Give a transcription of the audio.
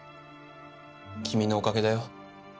君のおかげだよ。